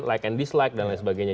like and dislike dan lain sebagainya